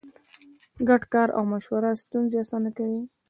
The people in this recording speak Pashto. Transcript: ګډ کار او مشوره ستونزې اسانه کوي.